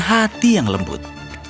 hati yang lembut